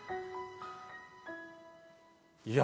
いや